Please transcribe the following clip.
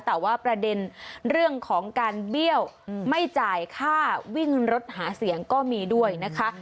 แต่ว่าประเด็นเรื่องของการเบี้ยวไม่จ่ายค่าวิ่งรถหาเสียงก็มีด้วยนะคะ